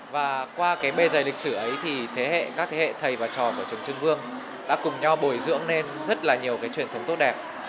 và qua cái bề dày lịch sử ấy thì các thế hệ thầy và trò của trường trương vương đã cùng nhau bồi dưỡng nên rất là nhiều cái truyền thống tốt